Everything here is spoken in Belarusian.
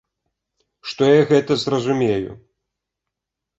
Што я гэта зразумею.